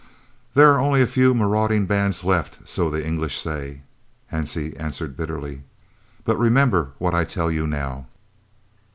"There are only a 'few marauding bands' left, so the English say," Hansie answered bitterly. "But remember what I tell you now.